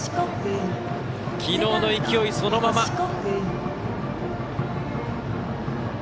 きのうの勢いそのまま。